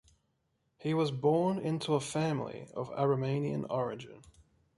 He was born into a family of Aromanian origin.